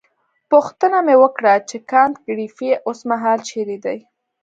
پوښتنه مې وکړه چې کانت ګریفي اوسمهال چیرې دی.